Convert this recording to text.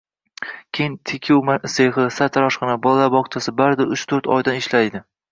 Keyin tikuv sexi, sartaroshxona, bolalar bog`chasi barida uch-to`rt oydan ishladi